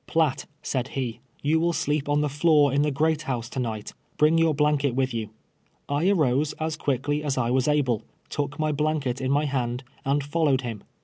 " Piatt," said he, " you will sleep on the floor in the great house to night ; bring your blanket with you." I arose as quickly as I was able, took my blanket in my hand, and followed him.